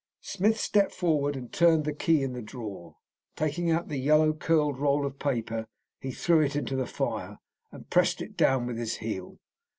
Smith stepped forward and turned the key in the drawer. Taking out the yellow, curled roll of paper, he threw it into the fire, and pressed it down with his heel.